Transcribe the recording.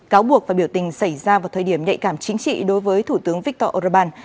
cáo buộc và biểu tình xảy ra vào thời điểm nhạy cảm chính trị đối với thủ tướng viktor orbán